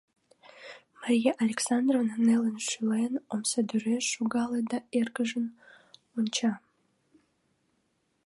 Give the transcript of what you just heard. Мария Александровна, нелын шӱлен, омсадӱреш шогале да эргыжым онча.